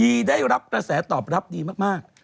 ได้รับกระแสตอบรับดีมาก